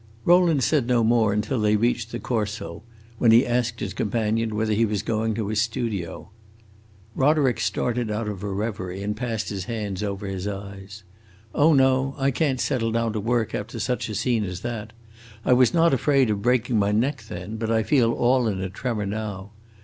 Rowland said no more until they reached the Corso, when he asked his companion whether he was going to his studio. Roderick started out of a reverie and passed his hands over his eyes. "Oh no, I can't settle down to work after such a scene as that. I was not afraid of breaking my neck then, but I feel all in a tremor now.